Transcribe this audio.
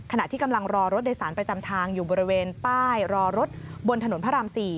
ขณะที่กำลังรอรถโดยสารประจำทางอยู่บริเวณป้ายรอรถบนถนนพระราม๔